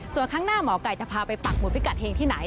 ส่วนข้างหน้าหมอไก่จะพาไปปักหุดพิกัดเฮงที่ไหน